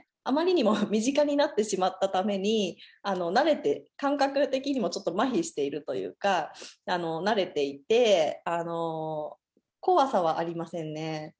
あまりにも身近になってしまったために、慣れて、感覚的にもちょっとまひしているというか、慣れていて、怖さはありませんね。